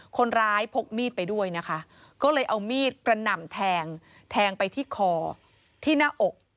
พกมีดไปด้วยนะคะก็เลยเอามีดกระหน่ำแทงแทงไปที่คอที่หน้าอก